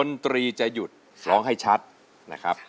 จนกว่าดนตรีจะหยุดร้องให้ชัดนะครับ